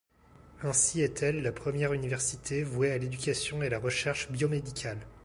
Ainsi est-elle la première université vouée à l'éducation et la recherche biomédicales.